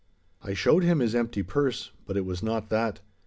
I showed him his empty purse; but it was not that.